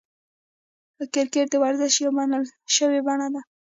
کرکټ د ورزش یوه منل سوې بڼه ده.